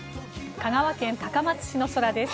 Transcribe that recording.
香川県高松市の空です。